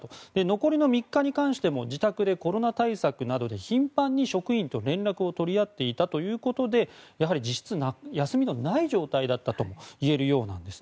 残りの３日間にしても自宅でコロナ対策など頻繁に職員と連絡を取り合っていたということでやはり実質、休みがない状態だったといえるようです。